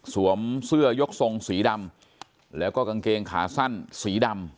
เสื้อยกทรงสีดำแล้วก็กางเกงขาสั้นสีดำ